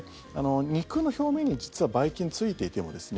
肉の表面に実は、ばい菌ついていてもですね